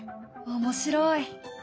面白い！